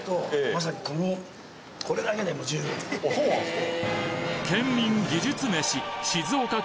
そうなんですか？